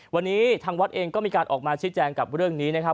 วันนี้ทางวัดเองก็มีการออกมาชี้แจงกับเรื่องนี้นะครับ